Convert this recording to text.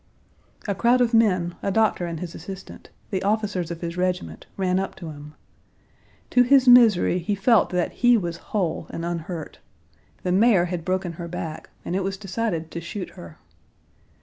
A crowd of men, a doctor and his assistant, the officers of his regiment, ran up to him. To his misery he felt that he was whole and unhurt. The mare had broken her back, and it was decided to shoot her.